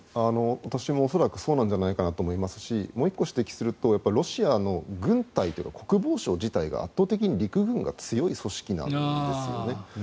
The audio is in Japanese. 私も恐らくそうなんじゃないかと思いますしもう１個指摘するとロシアの軍隊国防省自体が圧倒的に陸軍が強い組織なんですよね。